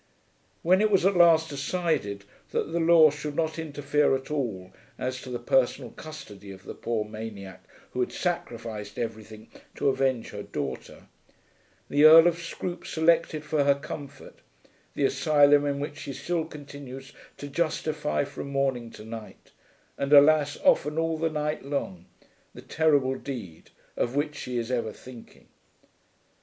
When it was at last decided that the law should not interfere at all as to the personal custody of the poor maniac who had sacrificed everything to avenge her daughter, the Earl of Scroope selected for her comfort the asylum in which she still continues to justify from morning to night, and, alas, often all the night long, the terrible deed of which she is ever thinking.